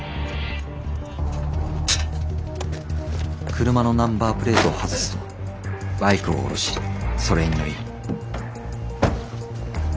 車のナンバープレートを外すとバイクを降ろしそれに乗り。